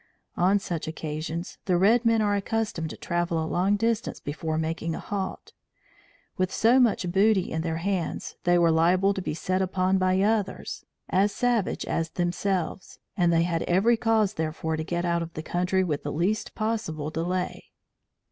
On such occasions, the red men are accustomed to travel a long distance before making a halt. With so much booty in their hands, they were liable to be set upon by others as savage as themselves, and they had every cause, therefore, to get out of the country with the least possible delay.